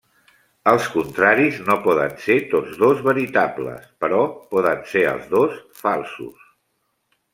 Els contraris, no poden ser tots dos veritables, però poden ser els dos falsos.